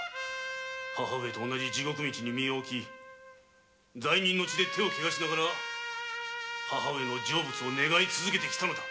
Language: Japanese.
母上と同じ地獄道に身を置き罪人の血で手を汚しながら母上の成仏を願い続けて来たのだ。